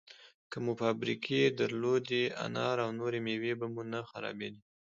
که مو فابریکې درلودی، انار او نورې مېوې به مو نه خرابېدې!